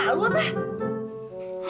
kamu gak malu apa